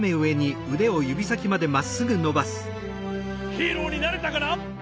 ヒーローになれたかな？